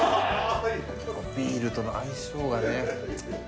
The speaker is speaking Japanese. ビールとの相性がね